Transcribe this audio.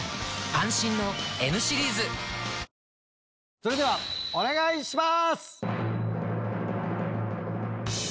それではお願いします！